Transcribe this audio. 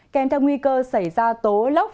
kèm theo nguy cơ xảy ra tố lốc